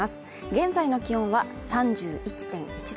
現在の気温は３１．１度